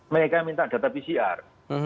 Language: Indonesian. mereka minta data pcr